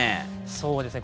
そうですね。